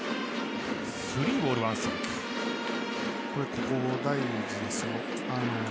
ここ、大事ですよ。